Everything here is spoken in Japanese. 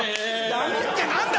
ダメって何だ？